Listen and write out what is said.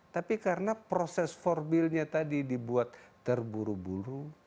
tapi karena proses formilnya tadi dibuat terburu buru